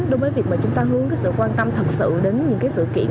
đối với việc chúng ta hướng sự quan tâm thật sự đến những sự kiện